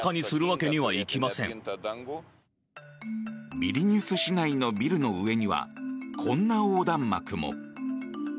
ビリニュス市内のビルの上にはこんな横断幕も。